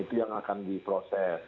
itu yang akan diproses